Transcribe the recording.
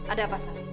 ada apa sar